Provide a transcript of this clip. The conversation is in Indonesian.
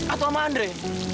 atau sama andre